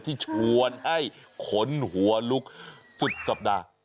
ที่ชวนให้ขนหัวลุกสุดสัปดาห์